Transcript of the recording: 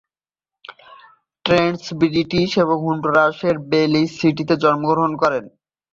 Trench British হন্ডুরাসের Belize সিটিতে জন্মগ্রহণ করেন।